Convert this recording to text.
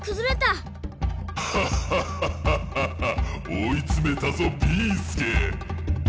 おいつめたぞビーすけ！